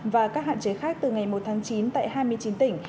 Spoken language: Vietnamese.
và các hạn chế khác từ ngày một tháng chín tại hai mươi chín tỉnh